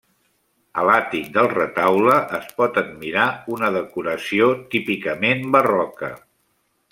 A l'àtic del retaule es pot admirar una decoració típicament barroca.